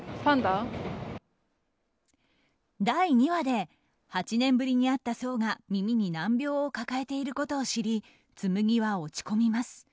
第２話で８年ぶりに会った想が耳に難病を抱えていることを知り紬は落ち込みます。